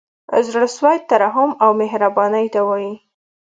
زړه سوی ترحم او مهربانۍ ته وايي.